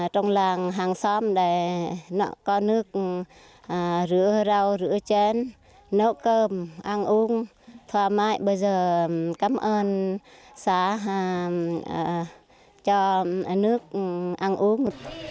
trong làng hàng xóm có nước rửa rau rửa chén nấu cơm ăn uống thoải mái bây giờ cảm ơn xã cho nước ăn uống